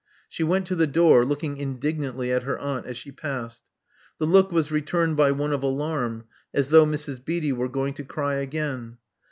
She went to the door, looking indig nantly at her aunt as she passed. The look was returned by one of alarm, as though Mrs. Beatty were going to cry again.